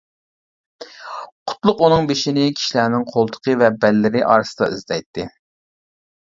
قۇتلۇق ئۇنىڭ بېشىنى كىشىلەرنىڭ قولتۇقى ۋە بەللىرى ئارىسىدا ئىزدەيتتى.